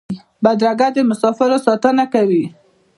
بدرګه د مسافرو ساتنه کوي.